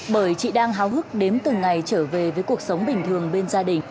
bởi chị đang háo hức đếm từng ngày trở về với cuộc sống bình thường bên gia đình